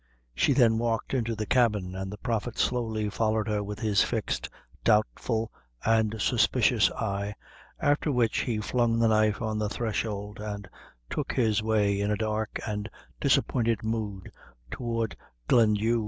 She then walked into the cabin, and the Prophet slowly followed her with his fixed, doubtful and suspicious eye, after which he flung the knife on the threshold, and took his way, in a dark and disappointed mood, towards Glendhu.